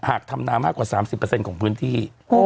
ทำนามากกว่า๓๐ของพื้นที่